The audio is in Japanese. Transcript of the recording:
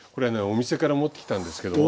お店から持ってきたんですけども。